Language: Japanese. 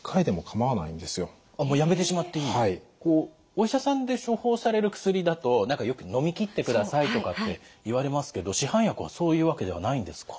お医者さんで処方される薬だと何かよくのみきってくださいとかって言われますけど市販薬はそういうわけではないんですか？